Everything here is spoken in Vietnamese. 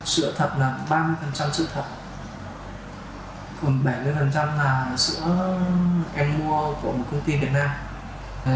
sữa thật là ba mươi sữa thật còn bảy mươi là sữa em mua của một công ty việt nam